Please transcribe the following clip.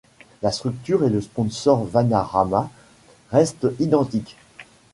La structure et le sponsor Vanarama restent identiques.